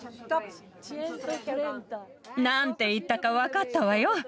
何て言ったか分かったわよ。